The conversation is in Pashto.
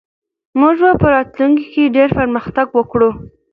موږ به په راتلونکي کې ډېر پرمختګ وکړو.